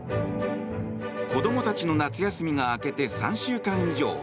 子供たちの夏休みが明けて３週間以上